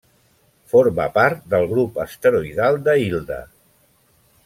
Forma part del grup asteroidal de Hilda.